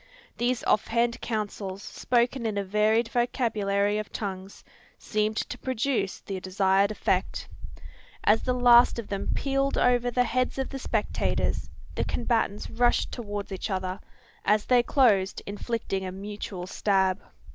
These off hand counsels, spoken in a varied vocabulary of tongues, seemed to produce the desired effect. As the last of them pealed over the heads of the spectators, the combatants rushed towards each other, as they closed inflicting a mutual stab.